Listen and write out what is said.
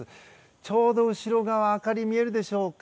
ちょうど後ろ側明かりが見えるでしょうか。